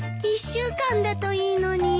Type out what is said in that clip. １週間だといいのに。